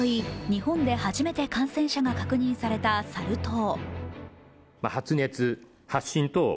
日本で初めて感染者が確認されたサル痘。